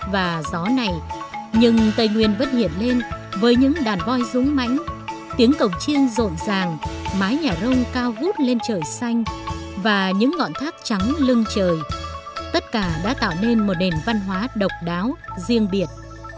và những ngọn thác trắng lưng trời tất cả đã tạo nên một nền văn hóa độc đáo riêng biệt